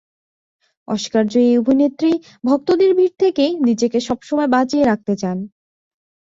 অস্কারজয়ী এই অভিনেত্রী ভক্তদের ভিড় থেকে নিজেকে সব সময় বাঁচিয়ে রাখতে চান।